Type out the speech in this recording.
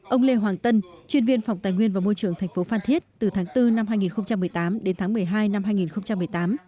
ông lê hoàng tân chuyên viên phòng tài nguyên và môi trường tp phan thiết từ tháng bốn năm hai nghìn một mươi tám đến tháng một mươi hai năm hai nghìn một mươi tám